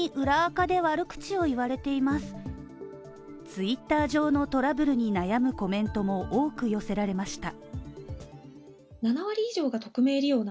ツイッター上のトラブルに悩むコメントも多く寄せられました。